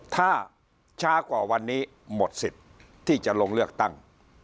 ถ้าช้ากว่าวันนี้หมดสิทธิ์ที่จะลงเลือกตั้ง